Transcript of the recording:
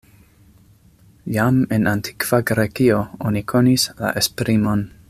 Jam en antikva Grekio oni konis la esprimon.